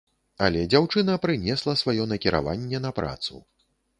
Але дзяўчына прынесла сваё накіраванне на працу.